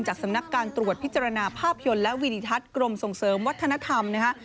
สำนักการตรวจพิจารณาภาพยนตร์และวินิทัศน์กรมส่งเสริมวัฒนธรรมนะคะ